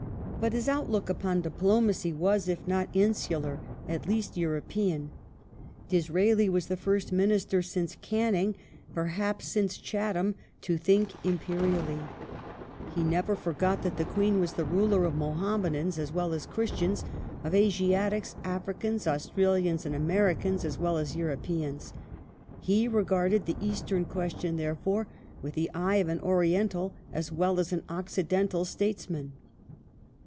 But his outlook upon diplomacy was, if not insular, at least European. Disraeli was the first Minister since Canning, perhaps since Chat ham, to " think imperially ". He never forgot that the Queen was the ruler of Muhammadans as well as Christians ; of Asiatics, ^ Africans, Australians, and Americans, as well as Europeans. He regarded the Eastern question, therefore, with the eye of an Oriental as well as of an Occidental Statesman.